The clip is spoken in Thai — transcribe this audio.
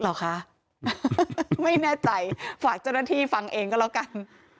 เหรอคะไม่แน่ใจฝากเจ้าหน้าที่ฟังเองก็แล้วกัน